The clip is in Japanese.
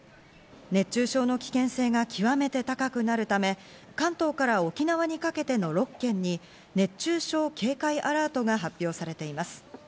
熱中症の危険性が極めて高くなるため、関東から沖縄にかけての６県に熱中症警戒アラートが発表されています。